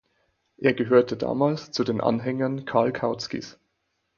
Er gehörte damals zu den Anhängern Karl Kautskys.